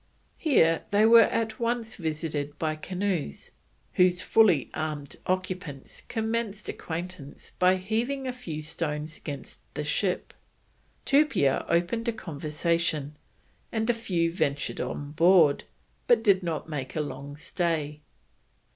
Here they were at once visited by canoes, whose fully armed occupants commenced acquaintance by "heaving a few stones against the ship." Tupia opened a conversation, and a few ventured on board, but did not make a long stay.